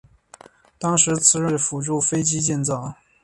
当时此软件是辅助飞机建造。